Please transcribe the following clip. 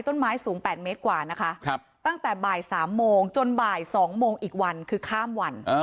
ต้นไม้สูง๘เมตรกว่านะคะตั้งแต่บ่าย๓โมงจนบ่าย๒โมงอีกวันคือข้ามวัน